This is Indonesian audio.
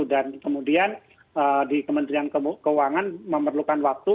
dan kemudian di kementerian keuangan memerlukan waktu